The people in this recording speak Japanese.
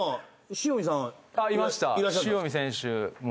塩見選手も。